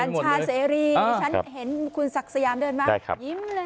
กัญชาซีอีฉันเห็นคุณซักสยามเลิศมายิ้มเลย